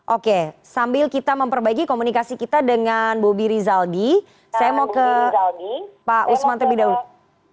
oke sambil kita memperbaiki komunikasi kita dengan bobi rizaldi saya mau ke pak usman terlebih dahulu